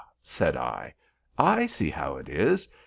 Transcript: said I, "I see how it is.